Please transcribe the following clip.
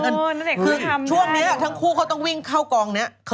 ณเดชน์คือทำได้คือช่วงนี้ทั้งคู่เขาต้องวิ่งเข้ากองนี้